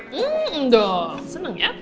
hmm dong seneng ya